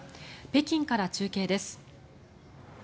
北京から中継です。